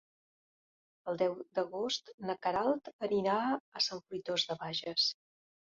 El deu d'agost na Queralt anirà a Sant Fruitós de Bages.